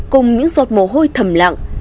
cùng những giọt mồ hôi thầm lặng